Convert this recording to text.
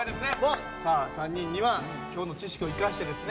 さあ３人には今日の知識を生かしてですね